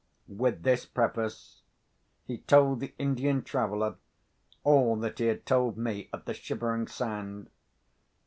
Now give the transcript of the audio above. With this preface, he told the Indian traveller all that he had told me at the Shivering Sand.